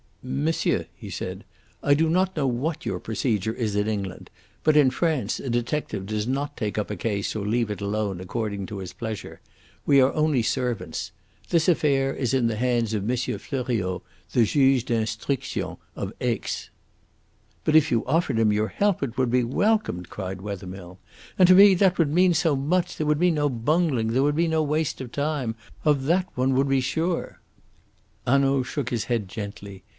"Monsieur," he said, "I do not know what your procedure is in England. But in France a detective does not take up a case or leave it alone according to his pleasure. We are only servants. This affair is in the hands of M. Fleuriot, the Juge d'instruction of Aix." "But if you offered him your help it would be welcomed," cried Wethermill. "And to me that would mean so much. There would be no bungling. There would be no waste of time. Of that one would be sure." Hanaud shook his head gently.